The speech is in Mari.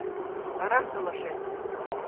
— Арам толашет...